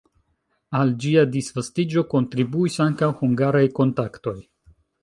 Al ĝia disvastiĝo kontribuis ankaŭ hungaraj kontaktoj.